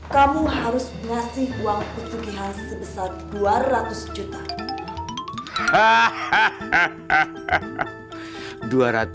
kamu harus beri uang kutukihan sebesar dua ratus juta